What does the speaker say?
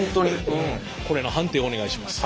これの判定をお願いします。